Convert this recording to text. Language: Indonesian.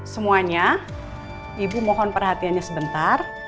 semuanya ibu mohon perhatiannya sebentar